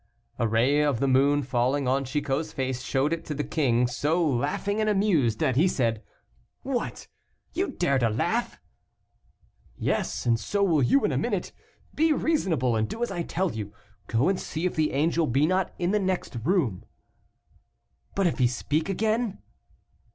A ray of the moon falling on Chicot's face, showed it to the king so laughing and amused, that he said, "What! you dare to laugh?" "Yes, and so will you in a minute. Be reasonable, and do as I tell you. Go and see if the angel be not in the next room." "But if he speak again?"